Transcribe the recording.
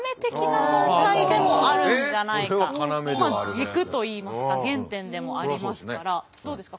軸と言いますか原点でもありますからどうですか？